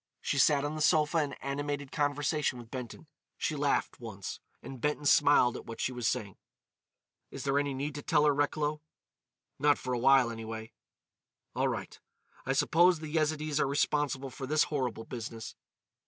She sat on the sofa in animated conversation with Benton. She laughed once, and Benton smiled at what she was saying. "Is there any need to tell her, Recklow?" "Not for a while, anyway." "All right. I suppose the Yezidees are responsible for this horrible business."